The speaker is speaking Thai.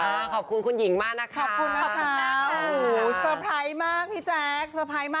อ่าขอบคุณคุณหญิงมากนะครับ